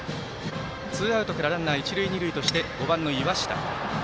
ツーアウトからランナー、一塁二塁として５番の岩下。